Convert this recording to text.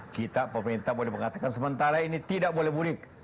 kita pemerintah boleh mengatakan sementara ini tidak boleh mudik